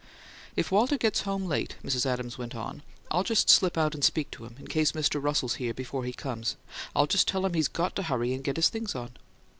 "If Walter gets home late," Mrs. Adams went on, "I'll just slip out and speak to him, in case Mr. Russell's here before he comes. I'll just tell him he's got to hurry and get his things on."